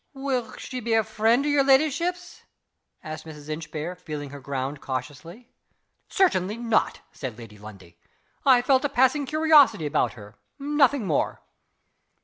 "Will she be a freend o' yer leddyship's?" asked Mrs. Inchbare, feeling her ground cautiously. "Certainly not!" said Lady Lundie. "I felt a passing curiosity about her nothing more."